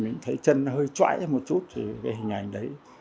mình thấy chân nó hơi choãi một chút thì cái hình ảnh đấy